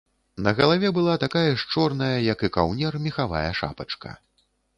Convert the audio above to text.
На галаве была такая ж чорная, як і каўнер, мехавая шапачка.